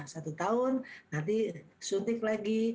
satu tahun nanti suntik lagi